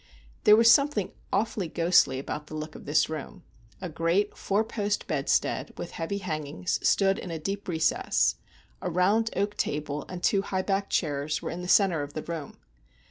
There was something awfully ghostly about the look of this room. A great four post bedstead, with heavy hangings, stood in a deep recess; a round oak table and two high backed chairs were in the centre of the room.